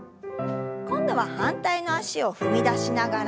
今度は反対の脚を踏み出しながら。